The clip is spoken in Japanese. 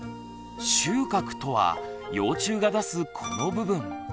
臭角とは幼虫が出すこの部分。